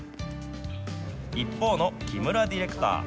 一方の木村ディレクター。